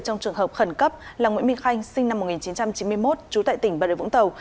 trong trường hợp khẩn cấp là nguyễn minh khanh sinh năm một nghìn chín trăm chín mươi một trú tại tỉnh bà rịa vũng tàu